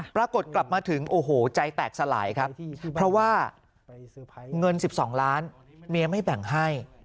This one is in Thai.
กลับมาถึงโอ้โหใจแตกสลายครับเพราะว่าเงิน๑๒ล้านเมียไม่แบ่งให้